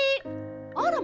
あらま！